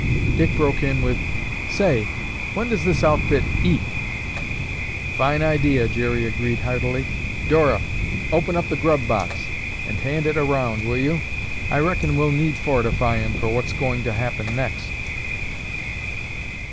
Dick broke in with, "Say, when does this outfit eat?" "Fine idea!" Jerry agreed heartily. "Dora, open up the grub box and hand it around, will you? I reckon we'll need fortifyin' for what's going to happen next."